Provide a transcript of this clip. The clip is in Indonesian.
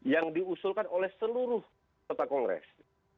yang diusulkan oleh seluruh peserta kongres